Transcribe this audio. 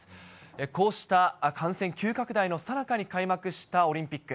こうした感染急拡大のさなかに開幕したオリンピック。